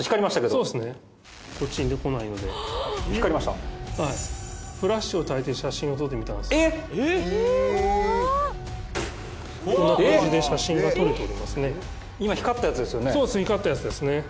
そうです光ったやつですね。